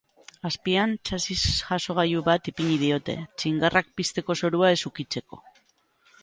Azpian txasis jasogailu bat ipini diote, txingarrak pizteko zorua ez ukitzeko.